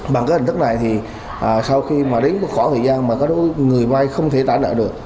bằng cái hình thức này thì sau khi mà đến một khoảng thời gian mà người vay không thể tả nợ được